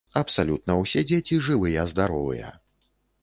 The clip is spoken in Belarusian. Абсалютна ўсе дзеці жывыя-здаровыя.